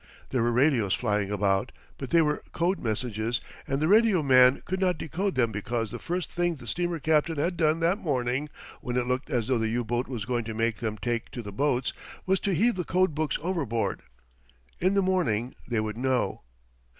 There were radios flying about, but they were code messages and the radio man could not decode them because the first thing the steamer captain had done that morning when it looked as though the U boat was going to make them take to the boats was to heave the code books overboard. In the morning they would know.